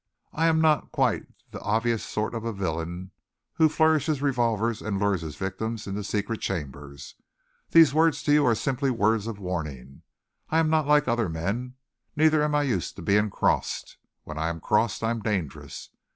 I am not quite the obvious sort of villain who flourishes revolvers and lures his victims into secret chambers. These words to you are simply words of warning. I am not like other men, neither am I used to being crossed. When I am crossed, I am dangerous.